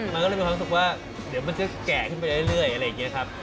มันก็เลยมีความรู้สึกว่าเดี๋ยวมันจะแก่ขึ้นไปเรื่อยอะไรอย่างนี้ครับ